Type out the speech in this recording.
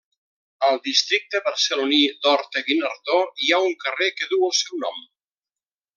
Al districte barceloní d'Horta-Guinardó hi ha un carrer que duu el seu nom.